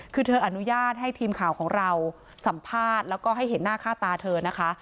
คือเธออนุญาตให้ทีมข่าวของเราสัมภาษณ์แล้วก็ให้เห็นหน้าค่าตาเธอนะคะ